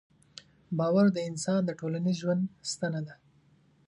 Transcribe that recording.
باور د انسان د ټولنیز ژوند ستنه ده.